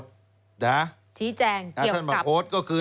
ฉีอแจงเกี่ยวกับท่านมาโพสก็คือ